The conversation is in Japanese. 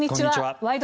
「ワイド！